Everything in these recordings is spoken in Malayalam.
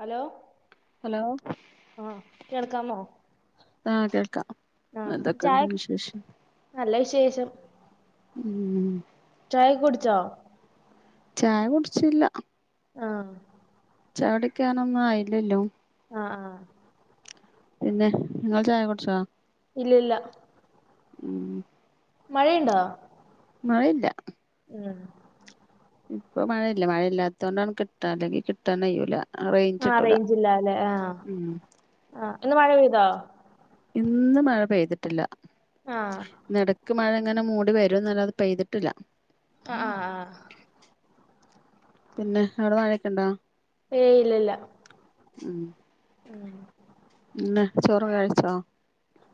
ഹലോ ഹലോ ഹ കേൾക്കാമോ ആഹ് കേൾക്കാം ആഹ എന്തൊക്കെ ചായ ഉണ്ട് വിശേഷം നല്ല വിശേഷം ഉം ചായ ഒക്കെ കുടിച്ചോ ചായ കുടിച്ചില്ല ആഹ് ചായ കുടിക്കാൻ ഒന്നും ആയില്ലല്ലോ ആഹ് ആഹ് പിന്നെ നിങ്ങൾ ചായ കുടിച്ചോ ഇല്ല ഇല്ല ഉം മഴയുണ്ടോ മഴയില്ല ഉം ഇപ്പൊ മഴയില്ല മഴയില്ലാത്തത് കൊണ്ടാണ് കിട്ടാ അല്ലെങ്കിൽ കിട്ടാൻ കയ്യൂല ആഹ് റേഞ്ചില്ലല്ലേ ആഹ് ഉം ആഹ് ഇന്ന് മഴ പെയ്തോ ഇന്ന് മഴ പെയ്തിട്ടില്ല ആഹ് ഇനി ഇടക്ക് മഴ ഇങ്ങനെ മൂടി വര നല്ലത് പെയ്തിട്ടില്ല ആഹ് ആഹ് ആഹ് പിന്നെ അവിടെ മഴ ഒക്കെ ഉണ്ടാ ഏയ്യ് ഇല്ല ഇല്ല ഉം [inaudible] പിന്നെ ചോറ് ഒക്കെ കഴിച്ചോ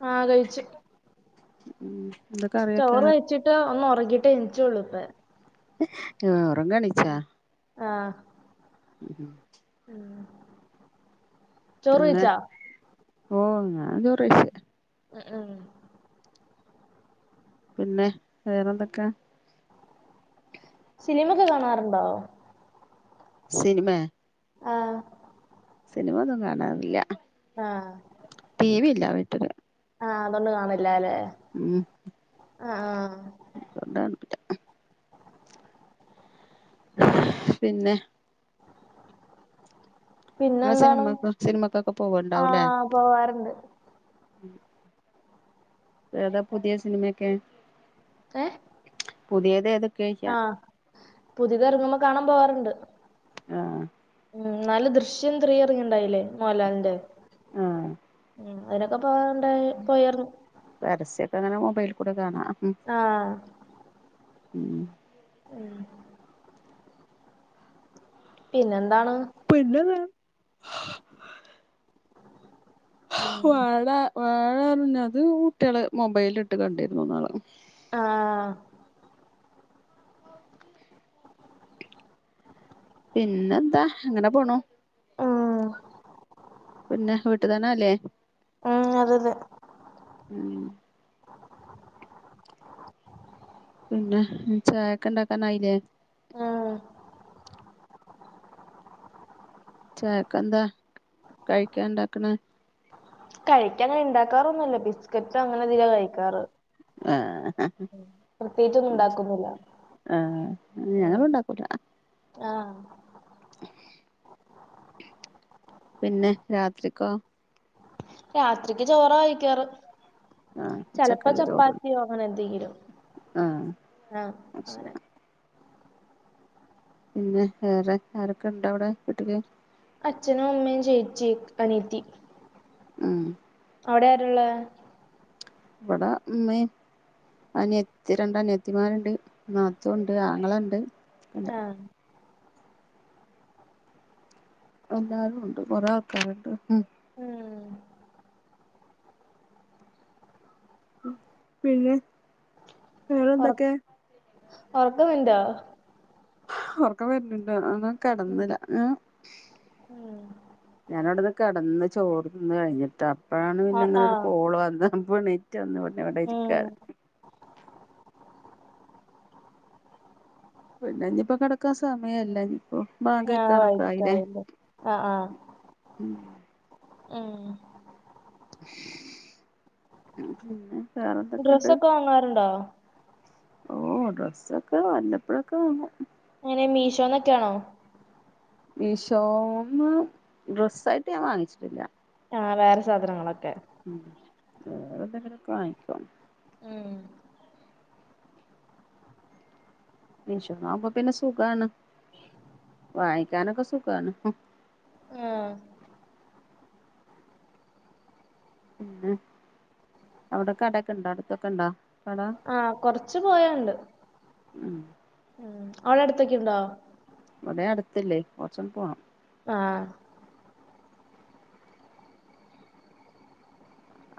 ആഹ് കഴിച്ചു ഉം എന്താ കറിയൊക്കെ ചോറ് കഴിച്ചിട്ട് ഒന്ന് ഉറങ്ങീട്ടു എന്നിച്ചേ ഉള്ള് ഇപ്പെ ഉറങ്ങനി ആഹ് [inaudible] ചോറ് കയ്ച്ച? ഓഹ് ഞാൻ ചോറ് കയ്ച്ച് ഉം ഉം പിന്നെ വേറെന്തെക്കെയാ? ഫിലിമൊക്കെ കാണാറുണ്ടോ? സിനിമേ? ആഹ് സിനിമന്നും കാണാറില്ല ആഹ് ടി വി ഇല്ല വീട്ടില് ആഹ് അതോണ്ട് കാണിലില്ല ല്ലെ? ഉം ആഹ് ആഹ് [unintelligible] പിന്നെ? ഇങ്ങള് പിന്നെന്താണ് സിനിമ സിനിമക്കൊക്കെ പോവി ണ്ടാവുലേ? ആഹ് പോവാറുണ്ട് ഏതാ പുതിയ സിനിമയൊക്കെ? ഏഹ്? പുതിയത് ഏതൊ ആഹ് പുതിത് എറങ്ങുമ്പോ കാണാൻ പോകാറ്ണ്ട് ആഹ് ഉം നാല് ദൃശ്യംത്രീ ഇറങ്ങിണ്ടായില്ലേ മോഹൻലാലിന്റെ ആഹ് ഉം അതിനൊക്കെ പോവണ്ടായി പോയാർ ന്നു പരസ്യൊക്കെ അങ്ങനെ മൊബൈലിൽ കൂടി കാണാം ആഹ് ഉം ഉം പിന്നെന്താണ്? പിന്നെന്താ? ഉം വാഴ വാഴ റഞ്ഞത് കുട്ടികള് മൊബൈലിട്ട് കണ്ടിരുന്നുന്നാള് ആഹ് പിന്നെന്താ ഇങ്ങനെ പോണു ഉം പിന്നെ വീട്ടുതന്നാ ല്ലേ? അതെന്നെ ഉം പിന്നെ ചായക്കണ്ടാക്കാനായി ലേ ആഹ് ചായക്കെന്താ കഴിക്കാണ്ടാക്ക്ണ് കഴിക്കാൻ അങ്ങനെണ്ടാക്കാറൊന്നുല്ല ബിസ്ക്കറ്റ് അങ്ങനെ അധിക കഴിക്കാറ് ആഹ് ഉം പ്രത്യേകിച്ചൊന്നും ആ ഉണ്ടാക്കുന്നില്ല ആ ഉം ഞങ്ങളുണ്ടാക്കൂല ആഹ് പിന്നെ രാത്രിക്കോ രാത്രിക്ക് ചോറ കയിക്കാറ് ആഹ് ചെലപ്പോ ഉച്ചക്കുള്ള ചോറ് ചപ്പാത്തിയോ അങ്ങനെ എന്തെങ്കിലും ആഹ് ആഹ് അത് ശരി അങ്ങനെ പിന്നെ വേറെ ആരൊക്കെ ഇണ്ടവടെ വീട്ട്ല് അച്ഛനും അമ്മയും ചേച്ചി അനിയത്തി ആഹ് അവടെരാള്ളെ വടേ ഇമ്മിം അനത്തി രണ്ട് അനത്തിമാര്ണ്ട് നാത്തൂണ്ട് ആങ്ങളണ്ട് ഒക്കെ ഇണ്ട് എല്ലാരുംണ്ട് കൊറേ ആൾക്കാര്ണ്ട് മ്മ് ഉം പിന്നെ വേറെ എന്തൊക്കെ ഒറക്കവെര്ണ്ടാ ഒറക്ക വര്ണ്ണ്ണ്ടൊ അ ന്നാ ഉം കടന്നില്ല ഞ ഉം ഞാനവടൊന്ന് കെടന്ന് ചോറ് തിന്ന് കഴിഞ്ഞിട്ടാ അപ്പഴാണ് പിന്നെ ആഹ് ഇങ്ങനെരു ആഹ് കോള് വന്ന് അപ്പൊണീറ്റ് വന്ന് ഇവടെ ഇര്ക്കാ ഉം പിന്നെ ഇഞ്പ്പോ കടക്കാ സമയല്ല ഞ്പ്പോ ആ വൈകിട്ടായില്ലേ ആ ആ ഉം മ് ഉം പിന്നെ വേറെന്തൊക്കെണ്ട് ഡ്രസ്സോക്കെ വാങ്ങാർണ്ടോ ഓ ഡ്രസ്സൊക്കെ വല്ലപ്പഴൊക്ക വാങ്ങും എങ്ങനെ മീഷോന്നൊക്കേണോ മീഷോന്ന് ഡ്രസ്സായിട്ട് ഞാ വാങ്ങിച്ചിട്ടില്ല ആഹ്‌ വേറ സാധനങ്ങളൊക്കെ ഉം വേറെന്തെങ്കിലൊക്കേ വാങ്ങിക്കും മ്മ് മീഷോന്നാവുമ്പോ പിന്നെ സുഖാണ് വാങ്ങിക്കാനൊക്കെ സുഖാണ് ആഹ് പിന്നെ അവടെ കടെക്കെണ്ടോ അടുത്തൊക്കണ്ടോ ആഹ് കൊറച്ച് പോയാണ്ട് ഉം ഉം അവടെ അടുത്തക്ക്യണ്ടോ ഇവടെ അടുത്തില്ലേ കൊറച്ചണ് പോണം ആഹ്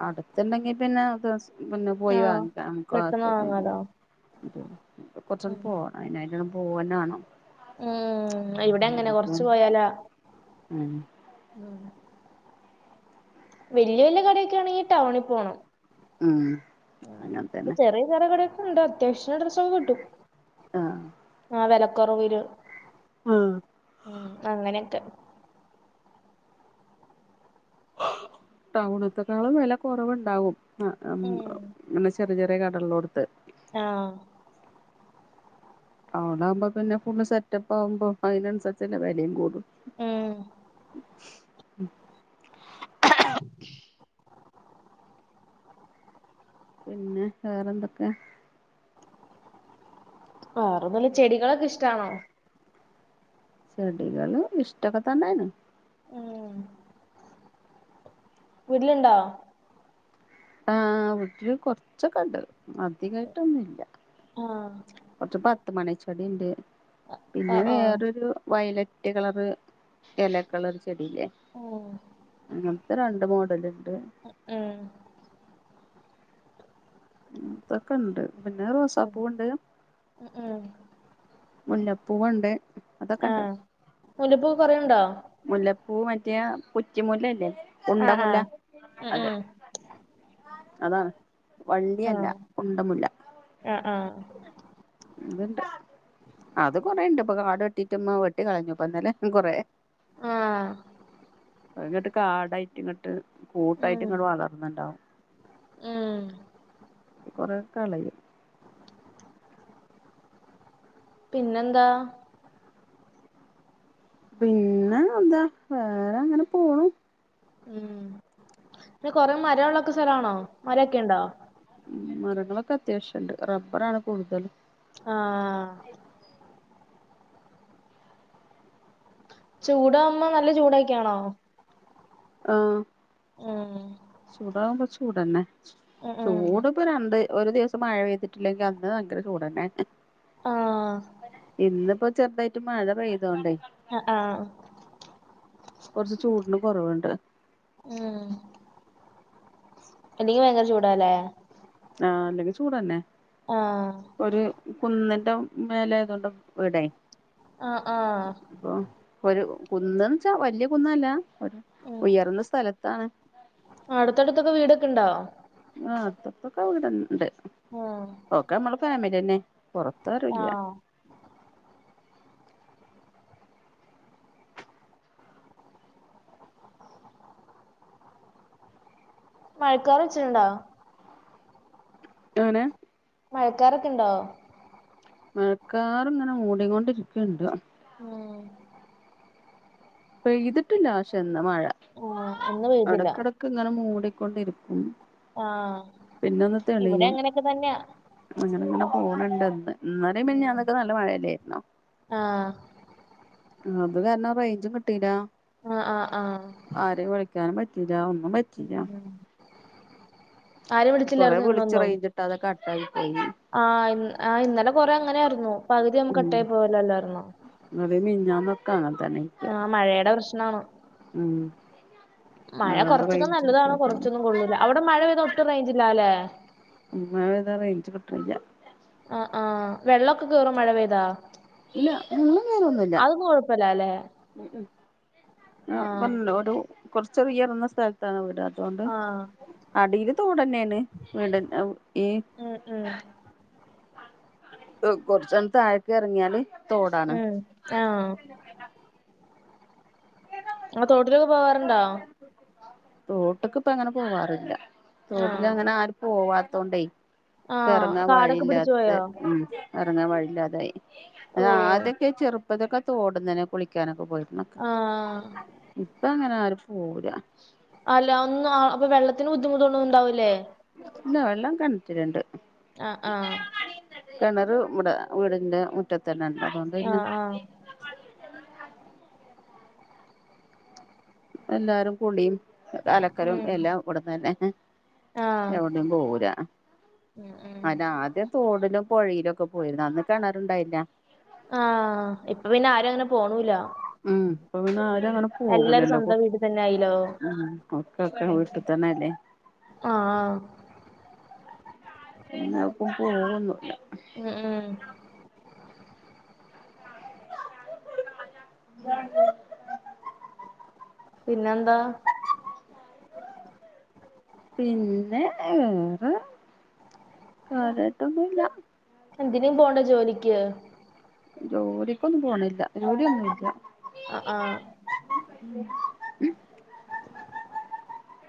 അട്ത്ത്ണ്ടെങ്ങി പിന്നെ അത് സ് പിന്നെ പോയി ആഹ് വാങ്ങിക്കാ അ പെട്ടെന്ന് വാങ്ങാലോ [unintelligible] ഇത് കൊറച്ചണ് ഉം പോ അയ്നായിട്ട് അട് പോവന്ന വാണം ഉം ഇവിടങ്ങനെ കൊറച്ച് പോയാലാ ഉം ഉം വല്യ വല്യ കടയൊക്കെ ആണെങ്ങി ടൗണി പോണം ഉം അങ്ങനെ ഇത് തന്നെ ചെറിയ ചെറി കട ണ്ട് അത്യാവശ്യം ഡ്രസ്സൊക്കെ കിട്ടും ആഹ് ആഹ് വിലക്കുറവില് ആഹ് ഉം അങ്ങനെയൊക്കെ ടൗണത്തെേക്കാളും വെല കുറവ്ണ്ടാവും ആഹ് ഇങ്ങനെ ചെറിയ ചെറിയ കടള്ളോട്ത് ആഹ് ടൗണാകുമ്പൊ പിന്നെ ഫുള്ള് സെറ്റപ്പ് ആവുംമ്പോ അപ്പൊ അയ്നുസരിച്ച്ള്ള വെലയും കൂടും ഉം പിന്നെ വേറെന്തൊക്കെ വേറെന്നുല്ല ചെടികളൊക്കെ ഇഷ്ടാണോ ചെടികള് ഇഷ്ട്ടോക്കെ തന്നെന് ആഹ് വീട്ടിലുണ്ടോ ആഹ് വീട്ടില് കൊറചോക്കെണ്ട് അധികായിട്ടൊന്നുല്ല ആഹ് കൊറച്ച് പത്ത് മണി ചെടി ഉണ്ട് പിന്നെ ആഹ് ആഹ് വേറെ ഒരു വയലറ്റ് കളറ് എലകള് ഉള്ള ചെടില്ലേ ഉം അങ്ങനത്തെ രണ്ട് മോഡല് എണ്ട് ഉം അതൊക്കെ എണ്ട് പിന്നെ റോസ പൂവ് ഒണ്ട് ഉ ഉം മുല്ലപ്പൂവ് ഒണ്ട് അതൊക്കെ എണ്ട് ആഹ് മുല്ലപ്പൂ കൊറേയുണ്ടോ മുല്ലപ്പൂ മറ്റേ കുറ്റിമുല്ല അല്ലേ ഉണ്ട ആഹ് മുല്ല ആഹ് ഉം അതെ ഉം അതാണ് വള്ളിയല്ല ആഹ് ഉണ്ട മുല്ല ആഹ് ആഹ് ഉം അത് എണ്ട് അത് കൊറെ എണ്ട് ഇപ്പ കാട് വെട്ടിട്ടും മ വെട്ടി കളഞ്ഞു ഇപ്പ ഇന്നലെ കൊറ ആഹ് ഇങ്ങോട്ട് കാടായിട്ട് ഇങ്ങോട്ട് കൂട്ടായിട്ട് ഉം ഇങ്ങോട്ട് വളർന്നണ്ടാവും ഉം കൊറേ കളയും പിന്നെ എന്താ പിന്നെ എന്താ വേറെ അങ്ങനെ പോണു ഉം പിന്നെ കൊറെ മരം ഒള്ള ഒക്കെ സ്ഥല ആണോ മരം ഒക്കെ എണ്ട ഉ മരങ്ങള് ഒക്കെ അത്യാവശ്യം എണ്ട് റബ്ബറ് ആണ് കൂടുതലും ആഹ് ചൂടമ്മ നല്ല ചൂട് ഒക്കെ ആണോ ആഹ് ഉം ചൂടാകുമ്പോ ചൂടന്നെ ഉം ഉം ചൂട് ഇപ്പൊ രണ്ട് ഒരു ദിവസം മഴ പെയ്തിട്ട് ഇല്ലെങ്കിൽ അന്ന് ഭയങ്കര ചൂടന്നെ ആ ഇന്നിപ്പോ ചെറുതായിട്ട് മഴ പെയ്തോണ്ടേ ആഹ് ആഹ് കൊറച്ച് ചൂടിന് കൊറവുണ്ട് ഉം എല്ലെങ്കല് ഭയങ്കര ചൂടാല്ലേ ആഹ് അല്ലെങ്കിൽ ചൂടന്നെ ആഹ് ഒരു കുന്നിന്റെ മേല ആയതു കൊണ്ട് വീടെ ആഹ് ആഹ് ഇപ്പ ഒരു കുന്ന് എന്ന് വച്ചാ വലിയ കുന്നല്ല ഒരു ഉയർന്ന സ്ഥലത്താണ് അടുത്തടുത്ത് ഒക്കെ വീട് ഒക്കെ ഇണ്ടാവോ ആഹ് അടുപ്പൊക്കെ വീട് എണ്ട് ഉം ഓക്കെ നമ്മളെ ഫാമിലി അന്നെ പുറത്ത് ആരും ആ ഇല്ല്യ മഴക്കാർ വെച്ചിട്ടുണ്ടോ ഇങ്ങനെ മഴക്കാറ് ഒക്കെണ്ടോ മഴക്കാറ് ഇങ്ങനെ മൂടി കൊണ്ടിരിക്കണുണ്ട് ഏഹ് പെയ്തിട്ടില്ല പക്ഷെ ഇന്ന് മഴ ആ ഇന്ന് പെയ്തില്ല അടക്ക് അട ക്ക് ഇങ്ങനെ മുടി കൊണ്ട് ഇരിക്കുന്നു ആഹ് ഇവിടെ അങ്ങനെ ഒക്കെ തന്നെയാ അങ്ങനെ ഇങ്ങനെ പോണണ്ട് ഇന്ന് ഇന്നലെ മിനിഞ്ഞാന്ന് ഒക്കെ നല്ല മഴല്ലായിര്ന്നോ ആഹ് അത് കാരണം റേഞ്ചും കിട്ടീല്ല ആഹ് ആഹ് ആഹ് ആരേം വിളിക്കാനും പറ്റില്ല ഒന്നും പറ്റ ഉം ഉം കൊറേ വിളിച്ച് ഇന്നൊന്നും റേഞ്ച് കിട്ടാതെ കട്ട് ആയി പോയി ആഹ് ഇ ആഹ് ഇന്നലെ കൊറെ അങ്ങനെ ആയിരുന്നു പകുതി ആകുമ്പോൾ ഉം കട്ടായി പോവല് അല്ലയിരുന്നോ ഇന്നലിം മിൻഞാന്നൊക്കെ അങ്ങൻതന്നെന്ന് ആഹ് മഴയുടെ പ്രശ്നാണ് ഉം മഴ അതുകൊണ്ട് കൊറച്ചൊക്കെ റേഞ്ച് നല്ലതാണ് കിട്ടാത്തതാണ് കൊറച്ചൊന്നും കൊള്ളൂല അവിടെ മഴ പെയ്താ ഒട്ടും റേഞ്ചില്ല അല്ലേ ഉം മഴേയ്താ റെയ്ഞ്ച് കിട്ട്ണിയ്യ അഹ് ആഹ് വെള്ളൊക്കെകേറോ മഴ പെയ്താ ഇല്ല വെള്ളം കേറൊന്നുംഇല്ലാ അതൊന്നും കൊഴപ്പല്ലല്ലേ [unintelligible] കൊ ആഹ് ഒരു കൊർചൊരു ഉയർന്ന സ്ഥലത്താണ് വീട് അ തോണ്ട് ആഹ് അടീല് തോടന്നെണ് വീട്ന്റെ ഈ ഉം ഉം കൊർച്ചാണ് താഴക്ക് എറങ്ങിയാല് തോടാണ് ഉം ആഹ് ആതോട്ടിലൊക്കെ പോവാറുണ്ടോ തോട്ട്ക്ക് ഇപ്പങ്ങനെ പോവാറില്ല ആഹ് തോട്ടിലങ്ങനെ ആരും പോവാത്തോണ്ടേയ് ആഹ് എറങ്ങാൻ കാടൊക്കെ പിടിച്ചു വഴിയില്ലാത്ത പോയോ ഉം എറങ്ങാൻ വഴിയില്ലാതായി ഞങ്ങ ഓഹ് ആദ്യൊക്കെ ചെറുപ്പതൊക്കെ തോടുന്നന്നെ കുളിക്കാനൊക്കെ പോയിരുന്നെഹ് ആഹ് പ്പ അങ്ങനെ ആരും പോവൂല അല്ല അങ്ങ് ആഹ് അപ്പൊ വെള്ളത്തിന് ബുദ്ധിമുട്ടൊന്നും ഉണ്ടാവില്ലേ ഇല്ല വെള്ളം കെൻറ്റില്ണ്ട് ആഹ് ആഹ് കെണരറ് വ്ടെ വീടിന്റെ മുറ്റത്തന്നെണ്ട് അതുകൊണ്ട് പിന്നെ ആഹ് ആഹ് എല്ലാരും കുളീം അലക്കലും ഉം എല്ലാം ഇവട്ന്നെന്നെ ആഹ് എവടിം പോവൂല ഉം ഉം മറ്റേ ആദ്യം തോട്ലും പൊഴിലും ഒക്കെ പോയിരുന്നു അന്ന് കെണാറ്ണ്ടായില്ല ആഹ് ഇപ്പ പിന്നെ ആരും അങ്ങനെ പോണുല ഉം പ്പൊ പിന്നെ ആരും അങ്ങനെ പോകൂലല്ലോ കു സ്വന്തം വീട്ടിൽ തന്നെ ആയില്ലോ ഉം ഒക്കെക്കെ വീട്ട് തന്നെല്ലേ ആഹ് പിന്നെ എവ്ക്കും പോവൊന്നുല്ല ഉം ഉം [unintelligible] പിന്നെന്താ പിന്നെ വേറെ കാര്യായിട്ടൊന്നുല്ല എന്തിനേം പോവ്ണ്ടോ ജോലിക്ക് ജോലിക്കൊന്നും പോണില്ല ജോലിയൊന്നും ഇല്ല ആഹ് ആഹ്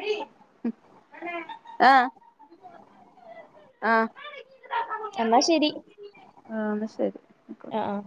ഉ ആഹ് ആഹ് എന്നാ ശരി എന്നാ ശരി ആഹ് ആയിക്കോട്ടെ ആഹ്